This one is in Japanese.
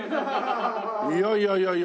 いやいやいやいや。